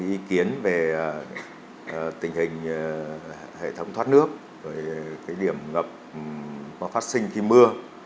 ý kiến về tình hình hệ thống thoát nước cái điểm ngập có phát sinh khi mưa